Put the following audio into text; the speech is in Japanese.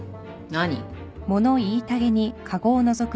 何？